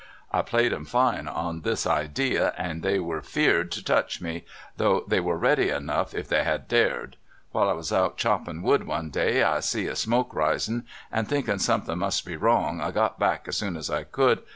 I played 'em fine on this idee, and they were afeard 10 touch me, though they were ready enough if tliey had dared. While I was out choppin' wood one day, I see a smoke risin', and thinkin' somethin' must be wrong, I got back as soon as I ccnild.